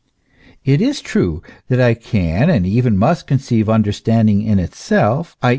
It is true that I can and even must conceive understanding in itself, i.